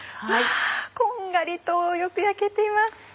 こんがりとよく焼けています。